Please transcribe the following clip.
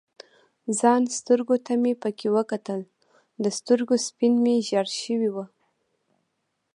ځان سترګو ته مې پکې وکتل، د سترګو سپین مې ژړ شوي ول.